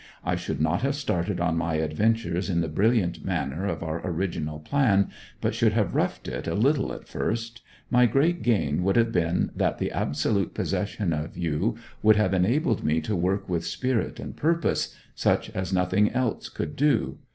I should not have started on my adventures in the brilliant manner of our original plan, but should have roughed it a little at first; my great gain would have been that the absolute possession of you would have enabled me to work with spirit and purpose, such as nothing else could do.